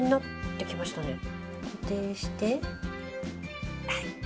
固定してはい。